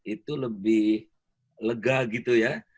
itu lebih lega gitu ya